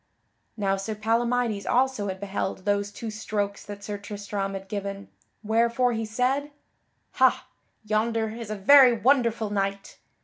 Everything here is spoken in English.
Now Sir Palamydes also had beheld those two strokes that Sir Tristram had given, wherefore he said: "Hah! Yonder is a very wonderful knight.